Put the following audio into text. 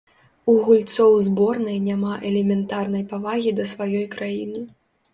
У гульцоў зборнай няма элементарнай павагі да сваёй краіны.